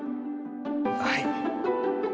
はい。